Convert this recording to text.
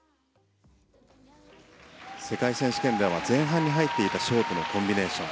世界選手権では前半に入っていたショートのコンビネーション